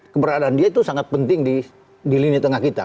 keberadaan dia itu sangat penting di lini tengah kita